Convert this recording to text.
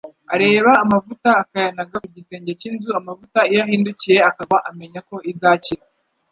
areba amavuta akayanaga ku gisenge cy’inzu, amavuta iyo ahindukiye akagwa, amenya ko izakira,